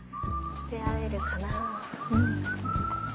出会えるかな。